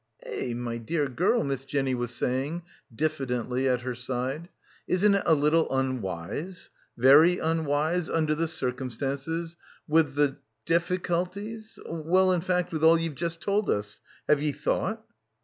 "Eh — my dear girl," Miss Jenny was saying diffidently at her side, "isn't it a little unwise — very unwise — under the circumstances — with the difficulties — well, in fact with all ye've just told us — have ye thought?"